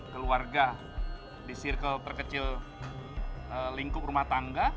keluarga di circle terkecil lingkup rumah tangga